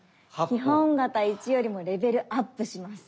基本形１よりもレベルアップします。